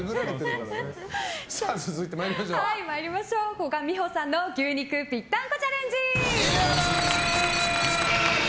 古閑美保さんの牛肉ぴったんこチャレンジ！